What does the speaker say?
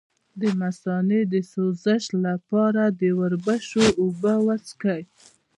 د مثانې د سوزش لپاره د وربشو اوبه وڅښئ